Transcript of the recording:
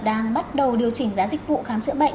đang bắt đầu điều chỉnh giá dịch vụ khám chữa bệnh